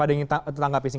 ada yang ditanggapi singkat